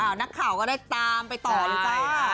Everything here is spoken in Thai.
เอ้านักข่าก็ได้ตามไปต่อนะคะ